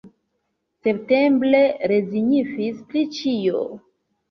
Septembre rezignis pri ĉio.